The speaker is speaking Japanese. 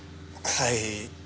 はい。